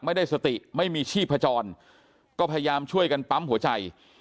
ไม่ได้สติไม่มีชีพจรก็พยายามช่วยกันปั๊มหัวใจ